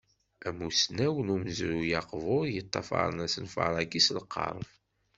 Amusnaw n umezruy aqbur yeṭṭafaṛen asenfar-agi s lqerb.